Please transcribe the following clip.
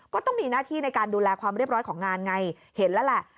ก็ต้องมีหน้าที่ในการดูแลความเรียบร้อยของงานไงเห็นแล้วแหละ